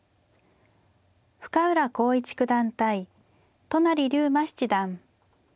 深浦康市九段対都成竜馬七段。